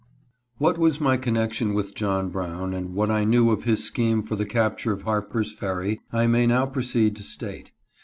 WHAT was my connection with John Brown, and what I knew of his scheme for the capture of Harper's Ferry, I may now proceed to state.